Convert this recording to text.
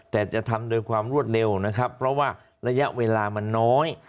แต่จะทำโดยความรวดเร็วนะครับเพราะว่าระยะเวลามันน้อย